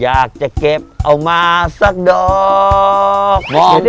อยากจะเก็บเอามาสักดอก